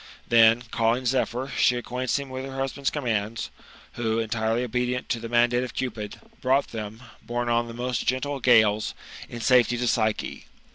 , Then, calling Zephyr, she acquaints him with her husband's commands, who, entirely obedient to the mandate of Cupid, brought them, borne on the most gentle gales, in safety to Psyche.